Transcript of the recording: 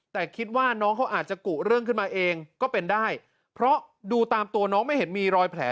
แต่คิดว่าน้องเขาอาจจะกุเรื่องขึ้นมาเองก็เป็นได้เพราะดูตามตัวน้องไม่เห็นมีรอยแผล